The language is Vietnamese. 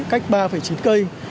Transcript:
cách ba chín cây